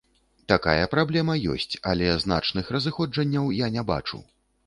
Такая праблема ёсць, але значных разыходжанняў я не бачу.